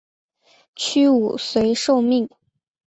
屈武遂受命。